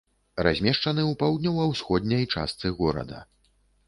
Размешчаны ў паўднёва-ўсходняй частцы горада.